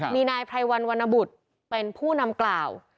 มีนายภัยวรรณวรณบุตรเป็นผู้นำกล่าว